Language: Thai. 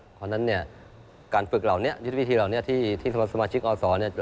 เพราะฉะนั้นเนี่ยการฝึกเหล่านี้ยุทธวิธีเหล่านี้ที่สมาชิกอศเนี่ย